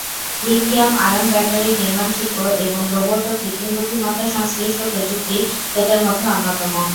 Lithium ion battery নির্মাণ শিল্প এবং রোবট ও কৃত্রিম বুদ্ধিমত্তা সংশ্লিষ্ট প্রযুক্তি এদের মধ্যে অন্যতম।